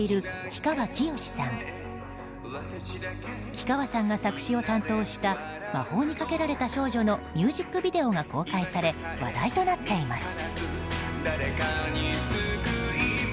氷川さんが作詞を担当した「魔法にかけられた少女」のミュージックビデオが公開され話題となっています。